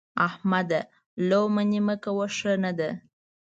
احمده! لو منې مه کوه؛ ښه نه ده.